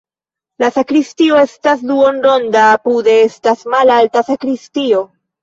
La sakristio estas duonronda, apude estas malalta sakristio.